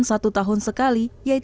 pada siang hari ini